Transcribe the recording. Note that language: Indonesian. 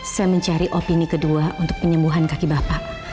saya mencari opini kedua untuk penyembuhan kaki bapak